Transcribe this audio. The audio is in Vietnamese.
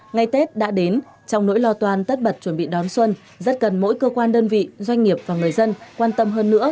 ngày tết đã đến trong nỗi lo toan tất bật chuẩn bị đón xuân rất cần mỗi cơ quan đơn vị doanh nghiệp và người dân quan tâm hơn nữa